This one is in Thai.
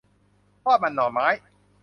ทอดมันหน่อไม้